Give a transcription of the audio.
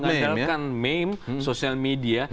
mengandalkan meme sosial media